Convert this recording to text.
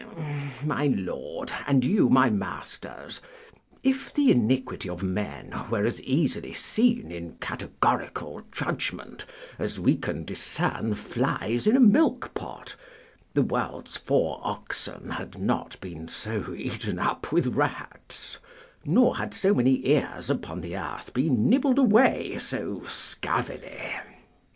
My lord, and you my masters, if the iniquity of men were as easily seen in categorical judgment as we can discern flies in a milkpot, the world's four oxen had not been so eaten up with rats, nor had so many ears upon the earth been nibbled away so scurvily.